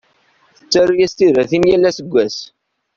Tettaru-yas tibratin yal aseggas.